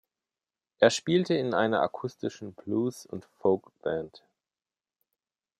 Er spielte in einer akustischen Blues- und Folkband.